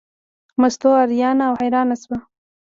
مستو اریانه او حیرانه شوه.